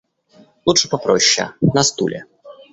Лучше попроще, на стуле.